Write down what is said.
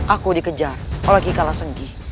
aku dikejar oleh ki kalas renggi